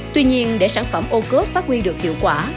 tuy nhiên để sản phẩm ô cốp phát huy được hiệu quả